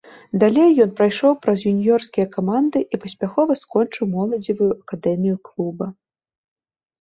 Далей ён прайшоў праз юніёрскія каманды і паспяхова скончыў моладзевую акадэмію клуба.